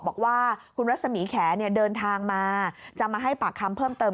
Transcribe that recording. บอกว่าคุณรัศมีแขเดินทางมาจะมาให้ปากคำเพิ่มเติม